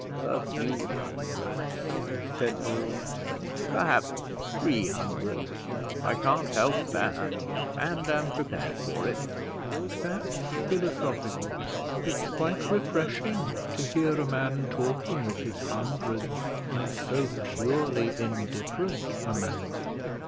"A few hundreds," said Bold "perhaps three hundred; I can't help that, and am prepared for it." "That's philosophical. It's quite refreshing to hear a man talking of his hundreds in so purely indifferent a manner.